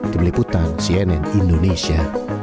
demi liputan cnn indonesia